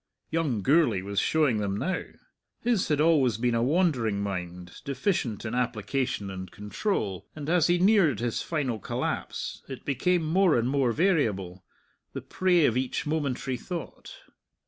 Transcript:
Young Gourlay was showing them now. His had always been a wandering mind, deficient in application and control, and as he neared his final collapse it became more and more variable, the prey of each momentary thought.